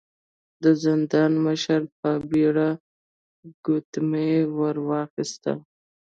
د زندان مشر په بيړه ګوتمۍ ور واخيسته.